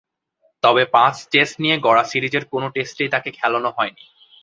তবে, পাঁচ টেস্ট নিয়ে গড়া সিরিজের কোন টেস্টেই তাকে খেলানো হয়নি।